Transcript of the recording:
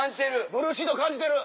ブルーシート感じてる！